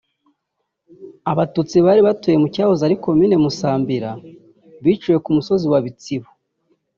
Abatutsi bari batuye mu cyahoze ari Komini Musambira biciwe ku musozi wa Bitsibo